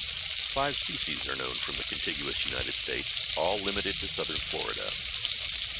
Five species are known from the contiguous United States, all limited to southern Florida.